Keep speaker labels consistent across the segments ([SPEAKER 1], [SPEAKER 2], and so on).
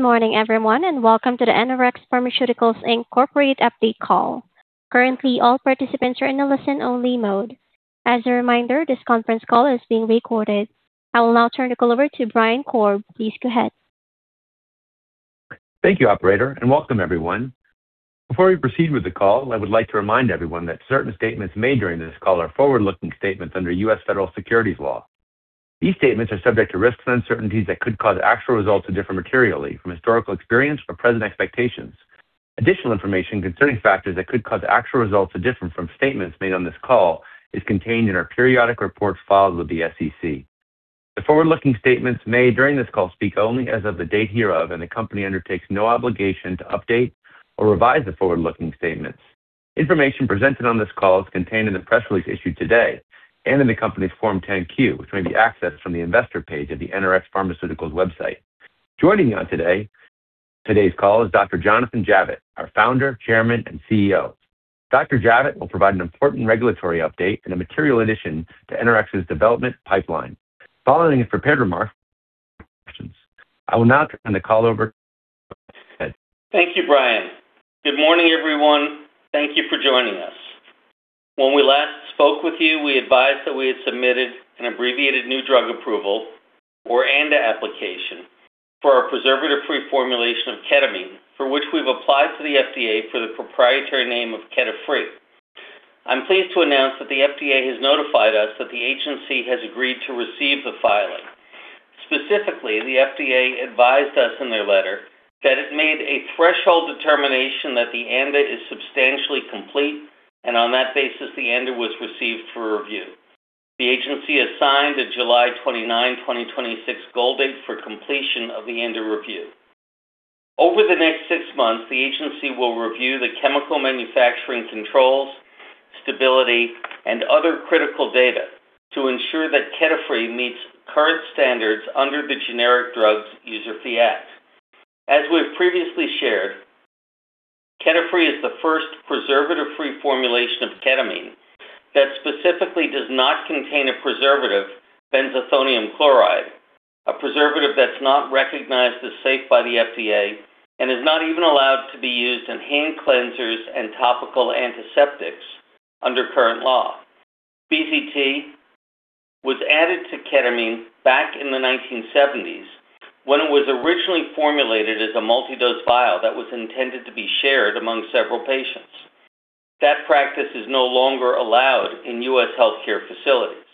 [SPEAKER 1] Good morning, everyone, and welcome to the NRx Pharmaceuticals corporate update call. Currently, all participants are in a listen-only mode. As a reminder, this conference call is being recorded. I will now turn the call over to Brian Korb. Please go ahead.
[SPEAKER 2] Thank you, Operator, and welcome, everyone. Before we proceed with the call, I would like to remind everyone that certain statements made during this call are forward-looking statements under U.S. federal securities law. These statements are subject to risks and uncertainties that could cause actual results to differ materially from historical experience or present expectations. Additional information concerning factors that could cause actual results to differ from statements made on this call is contained in our periodic reports filed with the SEC. The forward-looking statements made during this call speak only as of the date hereof, and the company undertakes no obligation to update or revise the forward-looking statements. Information presented on this call is contained in the press release issued today and in the company's Form 10-Q, which may be accessed from the investor page of the NRx Pharmaceuticals website. Joining me on today's call is Dr. Jonathan Javitt, our Founder, Chairman, and CEO. Dr. Javitt will provide an important regulatory update and a material addition to NRx's development pipeline. Following a prepared remark for questions, I will now turn the call over to.
[SPEAKER 3] Thank you, Brian. Good morning, everyone. Thank you for joining us. When we last spoke with you, we advised that we had submitted an Abbreviated New Drug Application or ANDA application for our preservative-free formulation of ketamine, for which we've applied to the FDA for the proprietary name of KETAFREE. I'm pleased to announce that the FDA has notified us that the agency has agreed to receive the filing. Specifically, the FDA advised us in their letter that it made a threshold determination that the ANDA is substantially complete, and on that basis, the ANDA was received for review. The agency has signed a July 29, 2026, goal date for completion of the ANDA review. Over the next six months, the agency will review the chemical manufacturing controls, stability, and other critical data to ensure that KETAFREE meets current standards under the Generic Drugs User Fee Act. As we've previously shared, KETAFREE is the first preservative-free formulation of ketamine that specifically does not contain a preservative, benzethonium chloride, a preservative that's not recognized as safe by the FDA and is not even allowed to be used in hand cleansers and topical antiseptics under current law. BZT was added to ketamine back in the 1970s when it was originally formulated as a multi-dose vial that was intended to be shared among several patients. That practice is no longer allowed in U.S. healthcare facilities.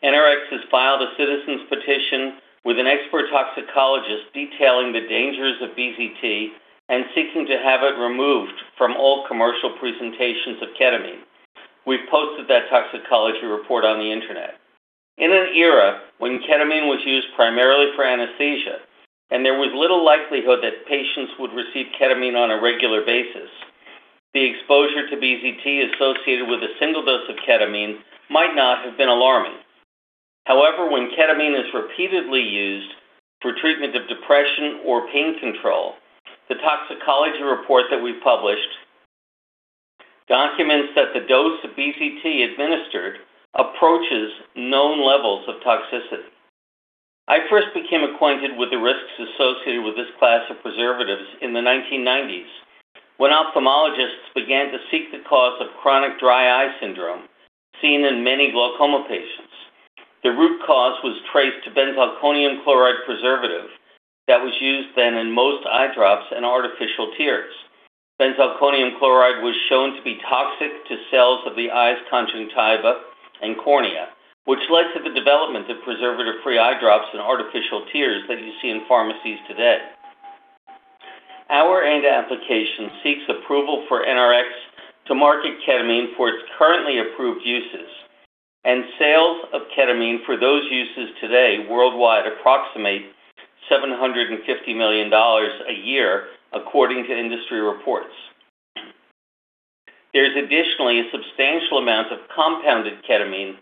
[SPEAKER 3] NRx has filed a citizens' petition with an expert toxicologist detailing the dangers of BZT and seeking to have it removed from all commercial presentations of ketamine. We've posted that toxicology report on the internet. In an era when ketamine was used primarily for anesthesia and there was little likelihood that patients would receive ketamine on a regular basis, the exposure to BZT associated with a single dose of ketamine might not have been alarming. However, when ketamine is repeatedly used for treatment of depression or pain control, the toxicology report that we've published documents that the dose of BZT administered approaches known levels of toxicity. I first became acquainted with the risks associated with this class of preservatives in the 1990s when ophthalmologists began to seek the cause of chronic dry eye syndrome seen in many glaucoma patients. The root cause was traced to benzalkonium chloride preservative that was used then in most eye drops and artificial tears. Benzalkonium chloride was shown to be toxic to cells of the eye's conjunctiva and cornea, which led to the development of preservative-free eye drops and artificial tears that you see in pharmacies today. Our ANDA application seeks approval for NRx to market ketamine for its currently approved uses, and sales of ketamine for those uses today worldwide approximate $750 million a year, according to industry reports. There's additionally a substantial amount of compounded ketamine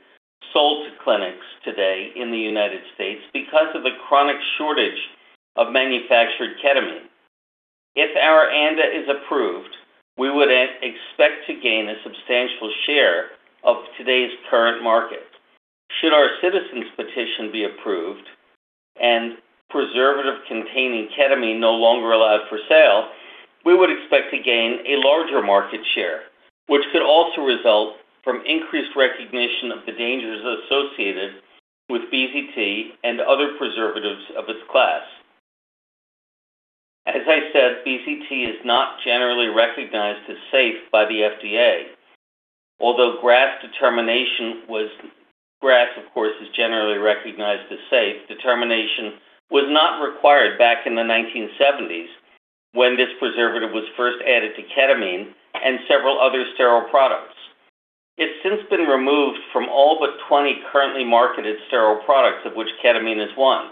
[SPEAKER 3] sold to clinics today in the United States because of the chronic shortage of manufactured ketamine. If our ANDA is approved, we would expect to gain a substantial share of today's current market. Should our citizens' petition be approved and preservative-containing ketamine no longer allowed for sale, we would expect to gain a larger market share, which could also result from increased recognition of the dangers associated with BZT and other preservatives of its class. As I said, BZT is not generally recognized as safe by the FDA. Although GRAS, of course, is generally recognized as safe, determination was not required back in the 1970s when this preservative was first added to ketamine and several other sterile products. It's since been removed from all but 20 currently marketed sterile products, of which ketamine is one.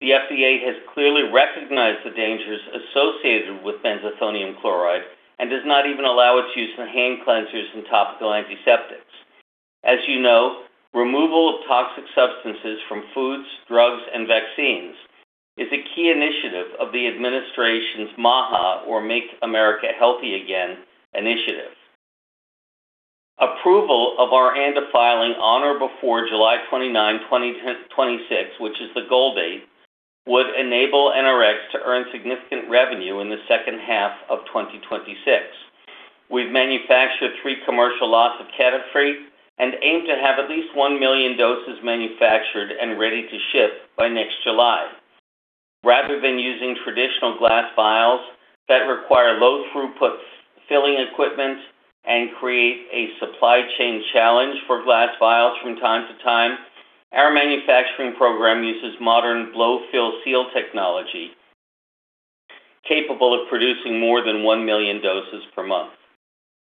[SPEAKER 3] The FDA has clearly recognized the dangers associated with benzethonium chloride and does not even allow its use in hand cleansers and topical antiseptics. As you know, removal of toxic substances from foods, drugs, and vaccines is a key initiative of the administration's MAHA, or Make America Healthy Again, initiative. Approval of our ANDA filing on or before July 29, 2026, which is the goal date, would enable NRx to earn significant revenue in the second half of 2026. We've manufactured three commercial lots of KETAFREE and aim to have at least one million doses manufactured and ready to ship by next July. Rather than using traditional glass vials that require low-throughput filling equipment and create a supply chain challenge for glass vials from time to time, our manufacturing program uses modern blow-fill-seal technology capable of producing more than one million doses per month.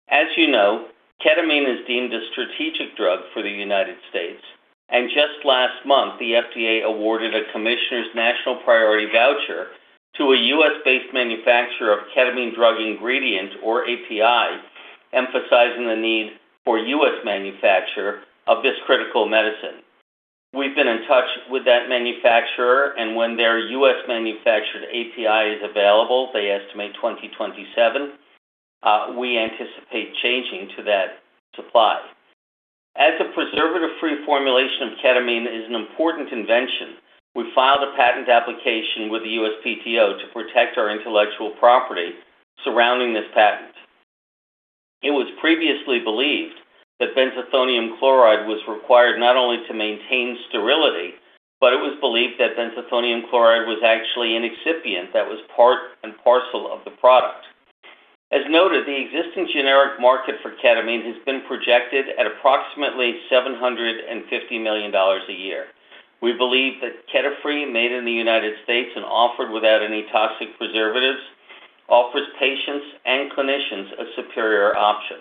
[SPEAKER 3] As you know, ketamine is deemed a strategic drug for the United States, and just last month, the FDA awarded a Commissioner's National Priority Voucher to a U.S.-based manufacturer of ketamine drug ingredient, or API, emphasizing the need for U.S. manufacture of this critical medicine. We've been in touch with that manufacturer, and when their U.S.-manufactured API is available, they estimate 2027, we anticipate changing to that supply. As a preservative-free formulation of ketamine is an important invention, we filed a patent application with the U.S. PTO to protect our intellectual property surrounding this patent. It was previously believed that benzethonium chloride was required not only to maintain sterility, but it was believed that benzethonium chloride was actually an excipient that was part and parcel of the product. As noted, the existing generic market for ketamine has been projected at approximately $750 million a year. We believe that KETAFREE made in the United States and offered without any toxic preservatives offers patients and clinicians a superior option.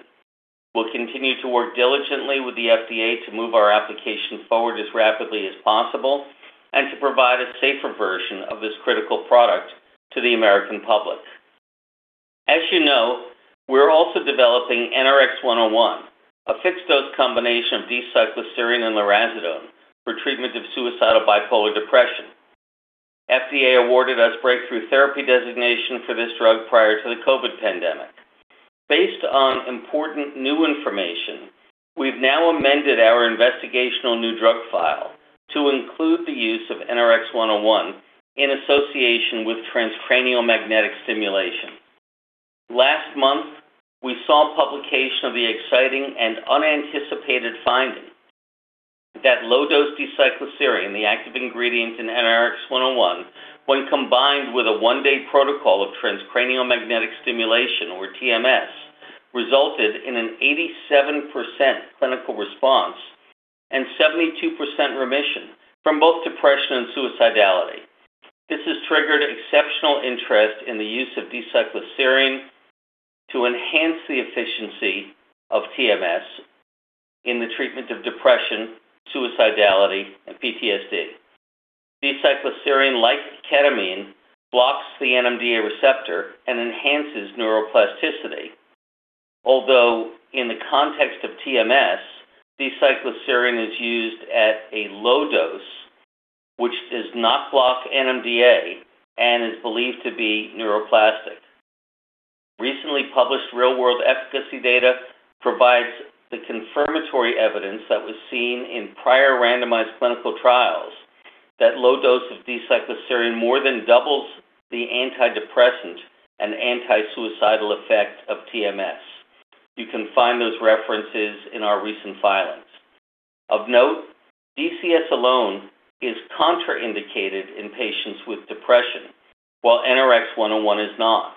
[SPEAKER 3] We'll continue to work diligently with the FDA to move our application forward as rapidly as possible and to provide a safer version of this critical product to the American public. As you know, we're also developing NRx-101, a fixed-dose combination of D-cycloserine and lurasidone for treatment of suicidal bipolar depression. The FDA awarded us Breakthrough Therapy Designation for this drug prior to the COVID pandemic. Based on important new information, we've now amended our Investigational New Drug file to include the use of NRx-101 in association with transcranial magnetic stimulation. Last month, we saw publication of the exciting and unanticipated finding that low-dose D-cycloserine, the active ingredient in NRx-101, when combined with a one-day protocol of transcranial magnetic stimulation, or TMS, resulted in an 87% clinical response and 72% remission from both depression and suicidality. This has triggered exceptional interest in the use of D-cycloserine to enhance the efficiency of TMS in the treatment of depression, suicidality, and PTSD. D-cycloserine, like ketamine, blocks the NMDA receptor and enhances neuroplasticity. Although in the context of TMS, D-cycloserine is used at a low dose, which does not block NMDA and is believed to be neuroplastic. Recently published real-world efficacy data provides the confirmatory evidence that was seen in prior randomized clinical trials that low dose of D-cycloserine more than doubles the antidepressant and anti-suicidal effect of TMS. You can find those references in our recent filings. Of note, DCS alone is contraindicated in patients with depression, while NRx-101 is not.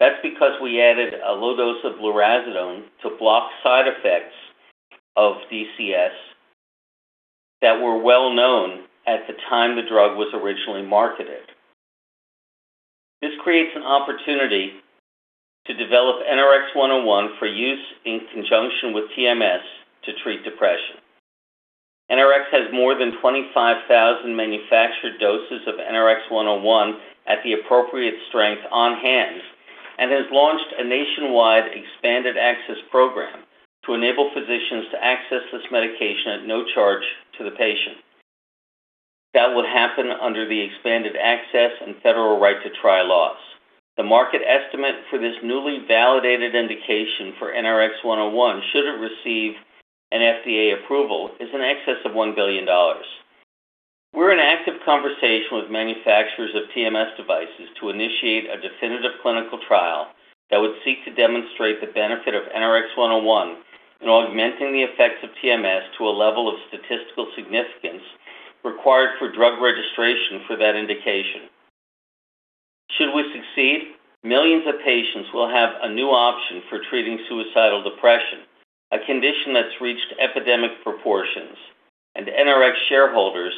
[SPEAKER 3] That's because we added a low dose of lurasidone to block side effects of DCS that were well known at the time the drug was originally marketed. This creates an opportunity to develop NRx-101 for use in conjunction with TMS to treat depression. NRx has more than 25,000 manufactured doses of NRx-101 at the appropriate strength on hand and has launched a nationwide expanded access program to enable physicians to access this medication at no charge to the patient. That will happen under the expanded access and federal right to try laws. The market estimate for this newly validated indication for NRx-101, should it receive an FDA approval, is in excess of $1 billion. We're in active conversation with manufacturers of TMS devices to initiate a definitive clinical trial that would seek to demonstrate the benefit of NRx-101 in augmenting the effects of TMS to a level of statistical significance required for drug registration for that indication. Should we succeed, millions of patients will have a new option for treating suicidal depression, a condition that's reached epidemic proportions, and NRx shareholders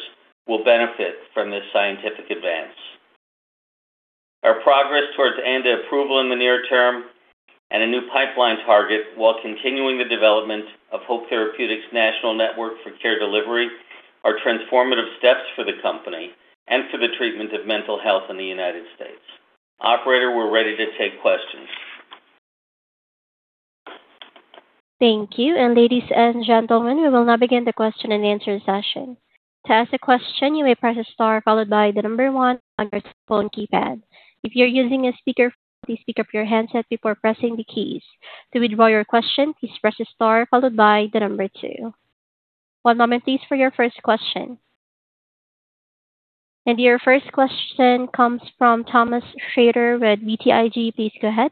[SPEAKER 3] will benefit from this scientific advance. Our progress towards ANDA approval in the near term and a new pipeline target while continuing the development of Hope Therapeutics' National Network for Care Delivery are transformative steps for the company and for the treatment of mental health in the United States. Operator, we're ready to take questions.
[SPEAKER 1] Thank you. Ladies and gentlemen, we will now begin the question and answer session. To ask a question, you may press star followed by the number one on your phone keypad. If you're using a speaker, please pick up your headset before pressing the keys. To withdraw your question, please press star followed by the number two. One moment, please, for your first question. Your first question comes from Thomas Schrader with BTIG. Please go ahead.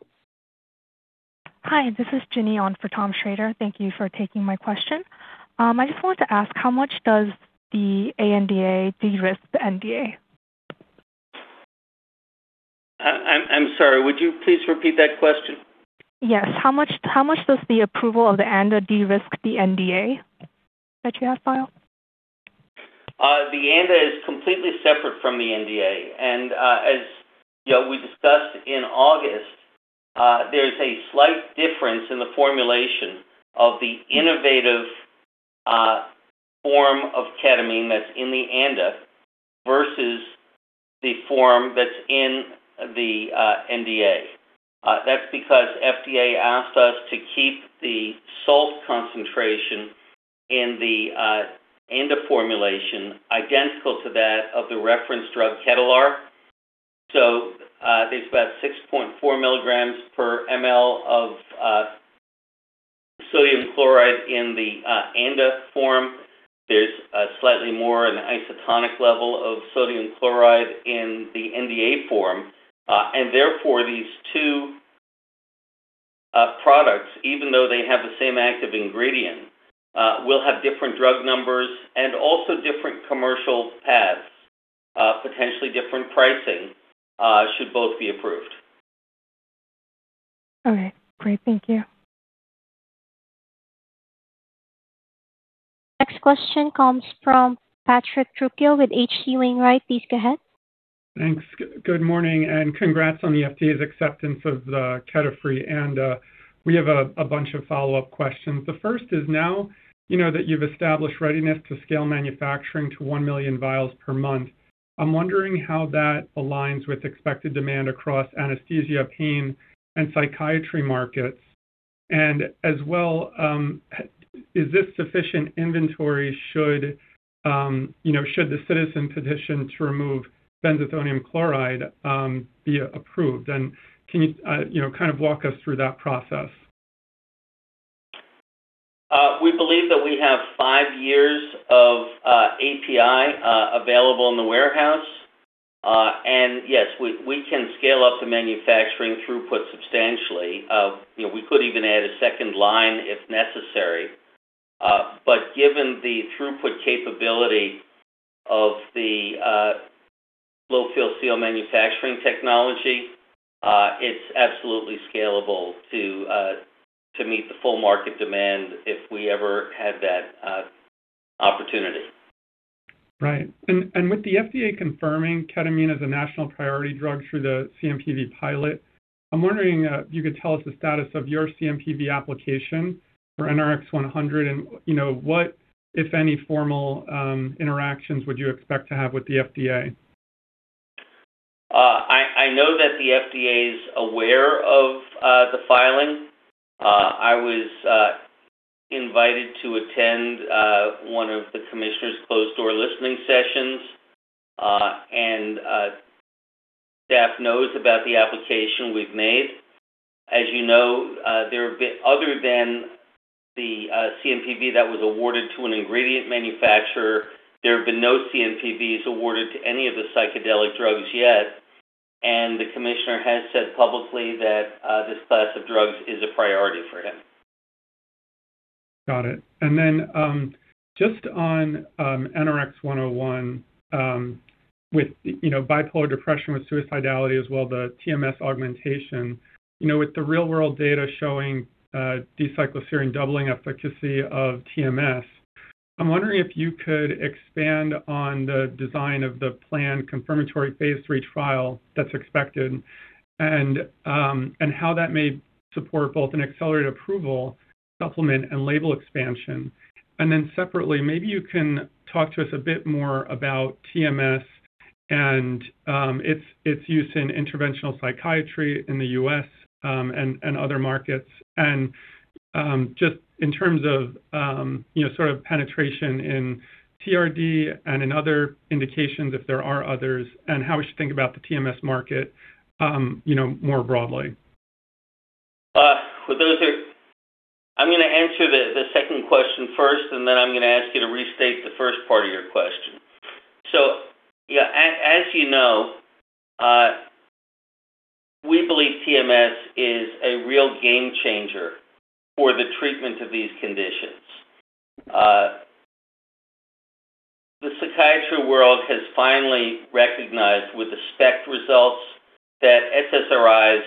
[SPEAKER 4] Hi, this is Jenny on for Tom Schrader. Thank you for taking my question. I just wanted to ask, how much does the ANDA de-risk the NDA?
[SPEAKER 3] I'm sorry. Would you please repeat that question?
[SPEAKER 4] Yes. How much does the approval of the ANDA de-risk the NDA that you have filed?
[SPEAKER 3] The ANDA is completely separate from the NDA. As we discussed in August, there's a slight difference in the formulation of the innovative form of ketamine that's in the ANDA versus the form that's in the NDA. That's because the FDA asked us to keep the salt concentration in the ANDA formulation identical to that of the reference drug Ketalar. There's about 6.4 mg/mL of sodium chloride in the ANDA form. There's slightly more in the isotonic level of sodium chloride in the NDA form. Therefore, these two products, even though they have the same active ingredient, will have different drug numbers and also different commercial paths, potentially different pricing, should both be approved.
[SPEAKER 4] All right. Great. Thank you.
[SPEAKER 1] Next question comes from Patrick Trujillo with H.C. Wainwright. Please go ahead.
[SPEAKER 5] Thanks. Good morning and congrats on the FDA's acceptance of the KETAFREE ANDA. We have a bunch of follow-up questions. The first is, now that you've established readiness to scale manufacturing to one million vials per month, I'm wondering how that aligns with expected demand across anesthesia, pain, and psychiatry markets. As well, is this sufficient inventory should the citizen petition to remove benzethonium chloride be approved? Can you kind of walk us through that process?
[SPEAKER 3] We believe that we have five years of API available in the warehouse. Yes, we can scale up the manufacturing throughput substantially. We could even add a second line if necessary. Given the throughput capability of the blow-fill-seal manufacturing technology, it is absolutely scalable to meet the full market demand if we ever had that opportunity.
[SPEAKER 5] Right. With the FDA confirming ketamine as a national priority drug through the CNPV pilot, I'm wondering if you could tell us the status of your CNPV application for NRx-100 and what, if any, formal interactions would you expect to have with the FDA?
[SPEAKER 3] I know that the FDA is aware of the filing. I was invited to attend one of the commissioner's closed-door listening sessions. Staff knows about the application we've made. As you know, other than the CNPV that was awarded to an ingredient manufacturer, there have been no CNPVs awarded to any of the psychedelic drugs yet. The commissioner has said publicly that this class of drugs is a priority for him.
[SPEAKER 5] Got it. And then just on NRx-101 with bipolar depression with suicidality as well as the TMS augmentation, with the real-world data showing D-cycloserine doubling efficacy of TMS, I'm wondering if you could expand on the design of the planned confirmatory phase three trial that's expected and how that may support both an accelerated approval, supplement, and label expansion. Then separately, maybe you can talk to us a bit more about TMS and its use in interventional psychiatry in the U.S. and other markets. Just in terms of sort of penetration in TRD and in other indications, if there are others, and how we should think about the TMS market more broadly.
[SPEAKER 3] I'm going to answer the second question first, and then I'm going to ask you to restate the first part of your question. As you know, we believe TMS is a real game changer for the treatment of these conditions. The psychiatry world has finally recognized with the SPECT results that SSRIs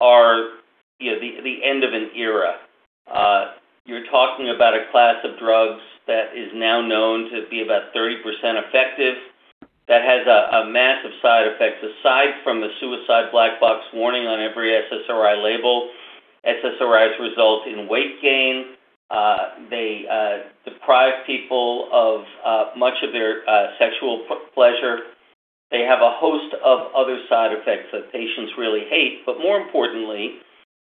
[SPEAKER 3] are the end of an era. You're talking about a class of drugs that is now known to be about 30% effective that has a massive side effect. Aside from the suicide black box warning on every SSRI label, SSRIs result in weight gain. They deprive people of much of their sexual pleasure. They have a host of other side effects that patients really hate. More importantly,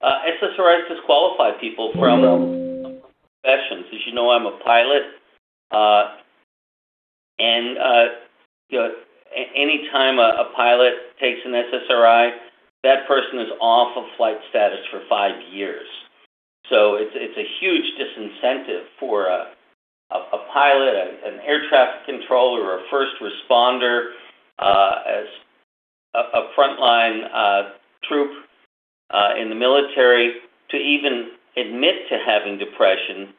[SPEAKER 3] SSRIs disqualify people from professions. As you know, I'm a pilot. Anytime a pilot takes an SSRI, that person is off of flight status for five years. It's a huge disincentive for a pilot, an air traffic controller, or a first responder, a frontline troop in the military to even admit to having depression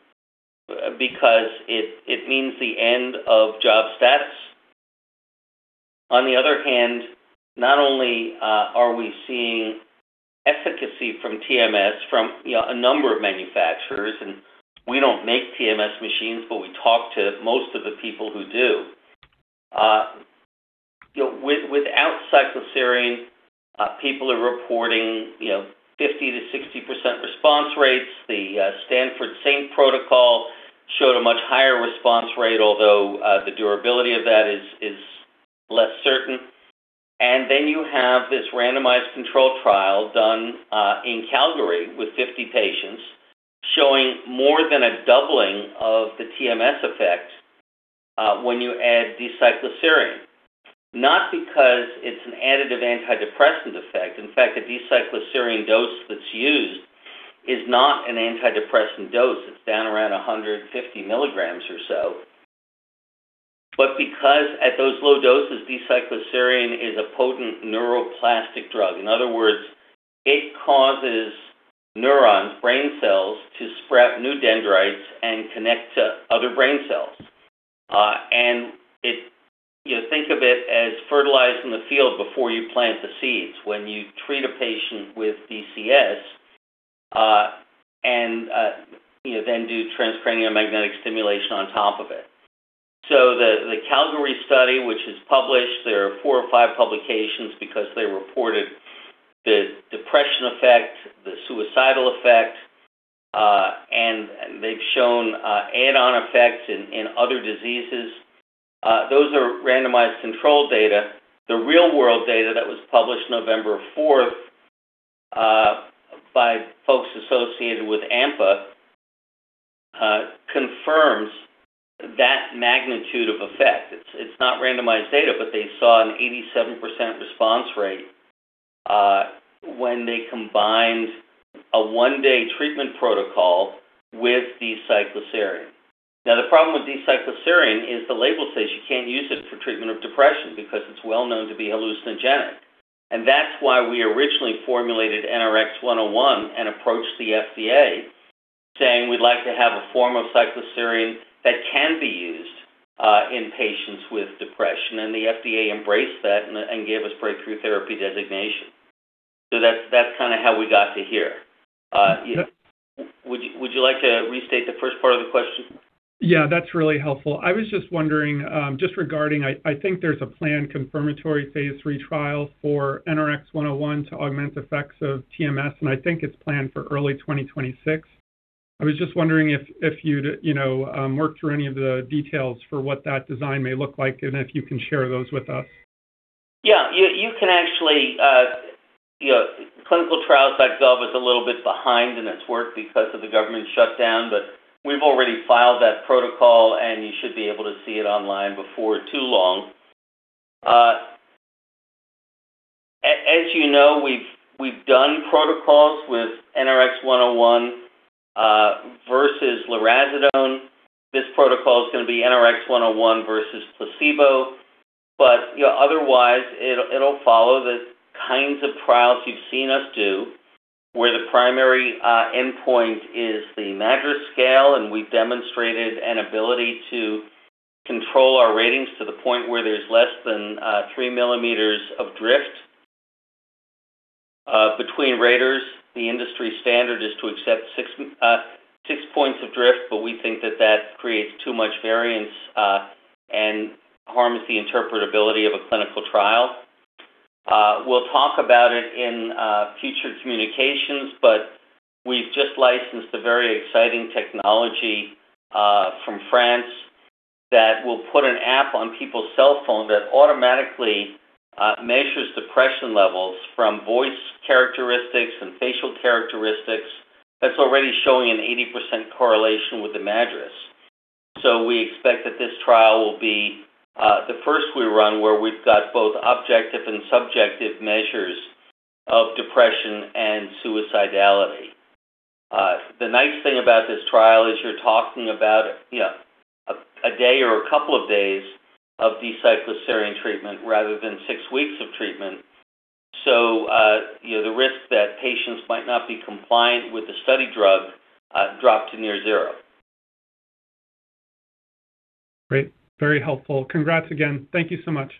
[SPEAKER 3] because it means the end of job status. On the other hand, not only are we seeing efficacy from TMS from a number of manufacturers, and we don't make TMS machines, but we talk to most of the people who do. Without cycloserine, people are reporting 50%-60% response rates. The Stanford SAINT protocol showed a much higher response rate, although the durability of that is less certain. You have this randomized control trial done in Calgary with 50 patients showing more than a doubling of the TMS effect when you add D-cycloserine, not because it's an additive antidepressant effect. In fact, the D-cycloserine dose that's used is not an antidepressant dose. It's down around 150 mg or so. Because at those low doses, D-cycloserine is a potent neuroplastic drug. In other words, it causes neurons, brain cells, to sprout new dendrites and connect to other brain cells. Think of it as fertilizing the field before you plant the seeds when you treat a patient with DCS and then do transcranial magnetic stimulation on top of it. The Calgary study, which is published, there are four or five publications because they reported the depression effect, the suicidal effect, and they have shown add-on effects in other diseases. Those are randomized control data. The real-world data that was published November 4th by folks associated with AMPA confirms that magnitude of effect. It is not randomized data, but they saw an 87% response rate when they combined a one-day treatment protocol with D-cycloserine. Now, the problem with D-cycloserine is the label says you can't use it for treatment of depression because it's well known to be hallucinogenic. That's why we originally formulated NRx-101 and approached the FDA saying we'd like to have a form of cycloserine that can be used in patients with depression. The FDA embraced that and gave us Breakthrough Therapy Designation. That's kind of how we got to here. Would you like to restate the first part of the question?
[SPEAKER 5] Yeah, that's really helpful. I was just wondering just regarding I think there's a planned confirmatory phase three trial for NRx-101 to augment effects of TMS, and I think it's planned for early 2026. I was just wondering if you'd worked through any of the details for what that design may look like and if you can share those with us.
[SPEAKER 3] Yeah. You can actually ClinicalTrials.gov is a little bit behind in its work because of the government shutdown, but we've already filed that protocol, and you should be able to see it online before too long. As you know, we've done protocols with NRX-101 versus lurasidone. This protocol is going to be NRX-101 versus placebo. Otherwise, it'll follow the kinds of trials you've seen us do where the primary endpoint is the MADRS scale, and we've demonstrated an ability to control our ratings to the point where there's less than 3 points of drift. Between raters, the industry standard is to accept 6 points of drift, but we think that that creates too much variance and harms the interpretability of a clinical trial. We'll talk about it in future communications, but we've just licensed a very exciting technology from France that will put an app on people's cell phone that automatically measures depression levels from voice characteristics and facial characteristics that's already showing an 80% correlation with the MADRS. We expect that this trial will be the first we run where we've got both objective and subjective measures of depression and suicidality. The nice thing about this trial is you're talking about a day or a couple of days of D-cycloserine treatment rather than six weeks of treatment. The risk that patients might not be compliant with the study drug dropped to near zero.
[SPEAKER 5] Great. Very helpful. Congrats again. Thank you so much.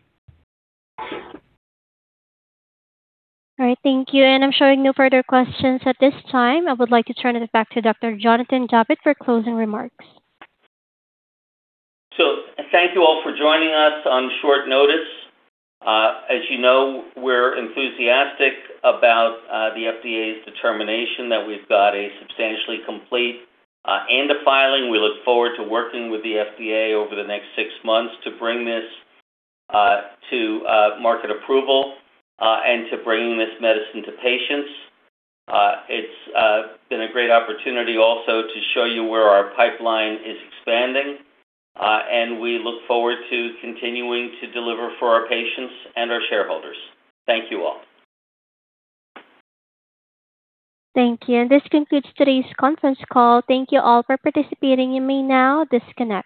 [SPEAKER 1] All right. Thank you. I'm showing no further questions at this time. I would like to turn it back to Dr. Jonathan Javitt for closing remarks.
[SPEAKER 3] Thank you all for joining us on short notice. As you know, we're enthusiastic about the FDA's determination that we've got a substantially complete ANDA filing. We look forward to working with the FDA over the next six months to bring this to market approval and to bringing this medicine to patients. It's been a great opportunity also to show you where our pipeline is expanding, and we look forward to continuing to deliver for our patients and our shareholders. Thank you all.
[SPEAKER 1] Thank you. This concludes today's conference call. Thank you all for participating in MayNow. Disconnect.